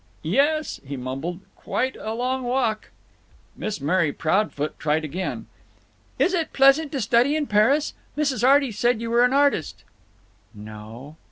"Yes," he mumbled. "Quite a long walk." Miss Mary Proudfoot tried again: "is it pleasant to study in Paris? Mrs. Arty said you were an artist." "No."